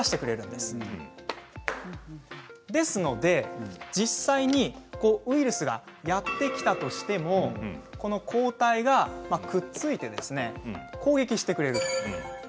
ですので実際にウイルスがやって来たとしても抗体がくっついて攻撃してくれるんです。